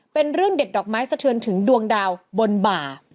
เป็นเรื่องเด็ดดอกไม้สะเทือนถึงดวงดาวบนบ่า